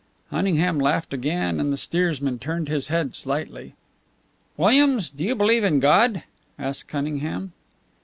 Cunningham laughed again, and the steersman turned his head slightly. "Williams, do you believe in God?" asked Cunningham.